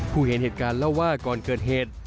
เห็นเหตุการณ์เล่าว่าก่อนเกิดเหตุ